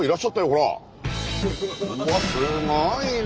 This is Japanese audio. うわっすごいね！